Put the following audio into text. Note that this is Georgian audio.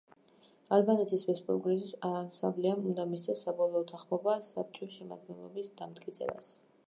ალბანეთის რესპუბლიკის ასამბლეამ უნდა მისცეს საბოლოო თანხმობა საბჭოს შემადგენლობის დამტკიცებას.